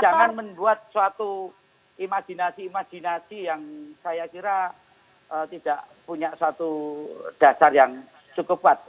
jangan membuat suatu imajinasi imajinasi yang saya kira tidak punya satu dasar yang cukup kuat